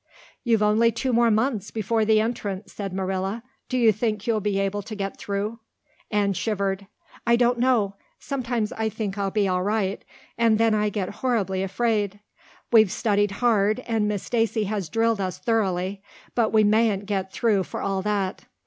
"You've only two more months before the Entrance," said Marilla. "Do you think you'll be able to get through?" Anne shivered. "I don't know. Sometimes I think I'll be all right and then I get horribly afraid. We've studied hard and Miss Stacy has drilled us thoroughly, but we mayn't get through for all that.